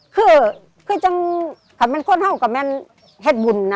คือเคยจังคำแม่นคนห้องกำแม่นเฮ็ดบุญน่ะอ๋อ